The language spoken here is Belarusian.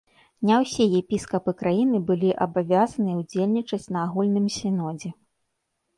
Не ўсе епіскапы краіны былі абавязаныя ўдзельнічаць на агульным сінодзе.